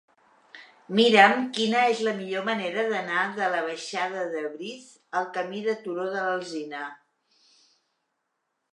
Mira'm quina és la millor manera d'anar de la baixada de Briz al camí del Turó de l'Alzina.